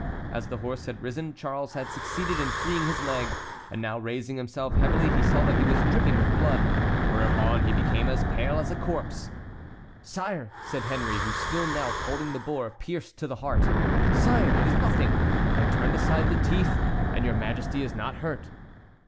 As the horse had risen, Charles had succeeded in freeing his leg, and now raising himself heavily, he saw that he was dripping with blood, whereupon he became as pale as a corpse. "Sire," said Henry, who still knelt holding the boar pierced to the heart, "sire, it is nothing, I turned aside the teeth, and your Majesty is not hurt."